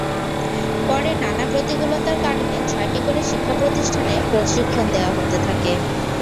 পরে নানা প্রতিকূলতার কারণে ছয়টি করে শিক্ষাপ্রতিষ্ঠানে প্রশিক্ষণ দেওয়া হতে থাকে।